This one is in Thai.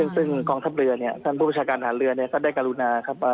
ซึ่งกองทัพเรือเนี่ยท่านผู้ประชาการฐานเรือก็ได้กรุณาครับว่า